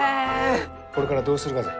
これからどうするがじゃ？